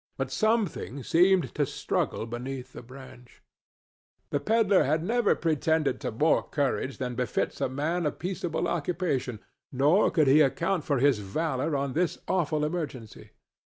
But something seemed to struggle beneath the branch. The pedler had never pretended to more courage than befits a man of peaceable occupation, nor could he account for his valor on this awful emergency.